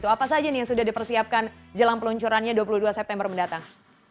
apa saja nih yang sudah dipersiapkan jelang peluncurannya dua puluh dua september mendatang